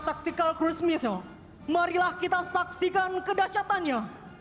tactical cruise missile marilah kita saksikan kedahsyatannya